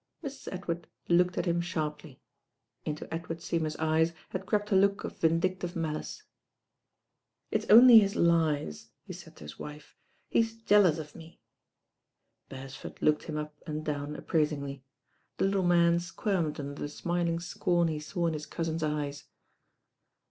Mrt. Edward looked at him aharply. Into Ed ward Seymour't eyei had crept a look of vindictive malice. ^ "Iff only hit liei," he laid to his wife. "He*i jealout of me." Bercsford looked him up and down appraitingly. The little man squirmed under the smiling scorn he saw in his cousin's eyes.